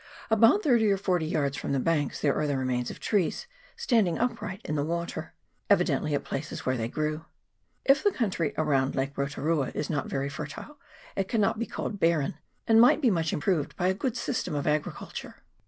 About thirty or forty yards from the banks there are the remains of trees standing upright in the water, evidently at the places where they grew. If the country around the lake of Rotu rua is not very fertile, it cannot be called barren, and might be much improved by a good system of agriculture.